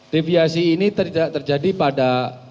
deviasi ini terjadi pada